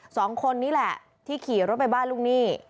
สองคนนี้แหละที่ขี่รถไปบ้านลูกหนี้